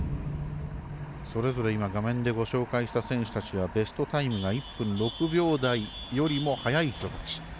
それぞれ画面でご紹介した選手はベストタイムが１分６秒台よりも早い人たち。